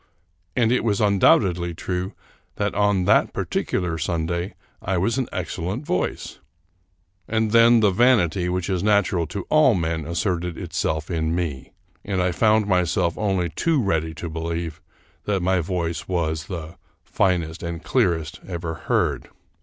And it was undoubtedly true that on that particular Sunday I was in excellent voice ; and then the vanity which is natural to all men asserted itself in me, and I found myself only too ready to believe that my voice was the " finest and clear est " ever heard.